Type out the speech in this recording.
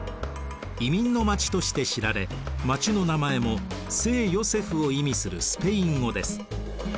移民の街として知られ街の名前も聖ヨセフを意味するスペイン語です。